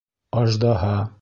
Аждаһа